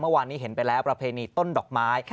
เมื่อวานนี้เห็นไปแล้วประเพณีต้นดอกไม้